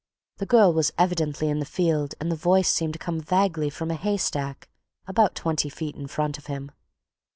The girl was evidently in the field and the voice seemed to come vaguely from a haystack about twenty feet in front of him.